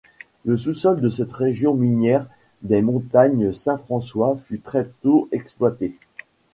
Le sous-sol de cette région minière des montagnes Saint-François fut très tôt exploité.